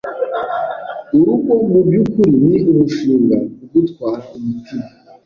Urugo mu by’ukuri ni umushinga ugutwara umutima,